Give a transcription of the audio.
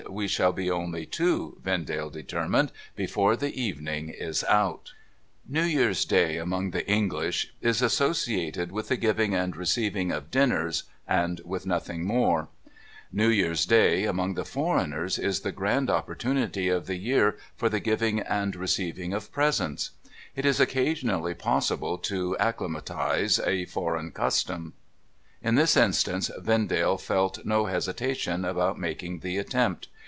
' We shall be only two,' Vendale determined, ' before the evening is out !' New Year's Day, among the English, is associated with the giving and receiving of dinners, and with nothing more. New Year's 51 6 NO THOROUGHFARE Day, among the foreigners, is the grand opportunity of the year for the giving and receiving of presents. It is occasionally possible to acclimatise a foreign custom. In this instance Vendale felt no hesitation about making the attempt.